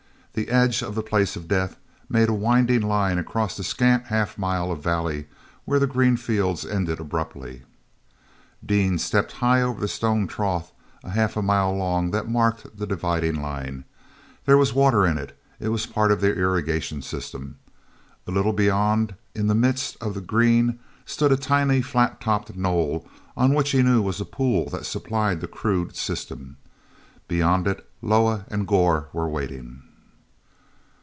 The edge of the Place of Death made a winding line across the scant half mile of valley where the green fields ended abruptly. Dean stepped high over the stone trough a half mile long that marked that dividing line. There was water in it; it was part of their irrigation system. A little beyond, in the midst of the green, stood a tiny flat topped knoll on which he knew was a pool that supplied the crude system. Beyond it Loah and Gor were waiting.